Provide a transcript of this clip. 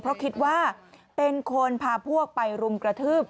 เพราะคิดว่าเป็นคนพาพวกไปรุมกระทืบ